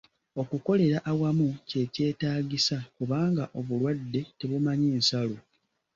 Okukolera awamu kye kyetaagisa kubanga obulwadde tebumanyi nsalo.